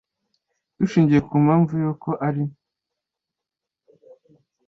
Dushingiye ku mpamvu y uko ari